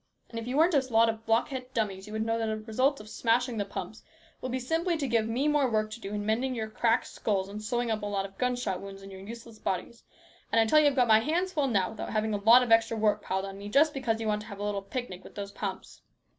And if you weren't a lot of block headed dummies, you would know that the result of smashing the pumps will be simply to give me more work to do in mending your cracked skulls and sewing up a lot of gunshot wounds in your useless bodies ; and I tell you I've got my hands full now without having a lot of extra work piled on me, just because you want to have a little picnic with those pumps.